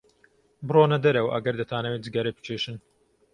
بڕۆنە دەرەوە ئەگەر دەتانەوێت جگەرە بکێشن.